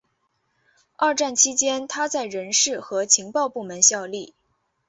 二战期间他在人事和情报部门效力。